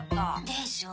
でしょ？